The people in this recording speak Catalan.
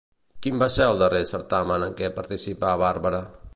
Quin va ser el darrer certamen en què participà Bárbara?